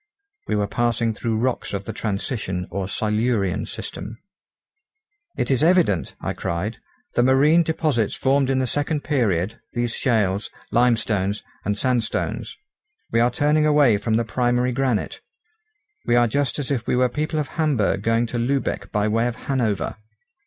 We were passing through rocks of the transition or silurian system. "It is evident," I cried, "the marine deposits formed in the second period, these shales, limestones, and sandstones. We are turning away from the primary granite. We are just as if we were people of Hamburg going to Lübeck by way of Hanover!"